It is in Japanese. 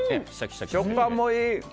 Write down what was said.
食感もいい。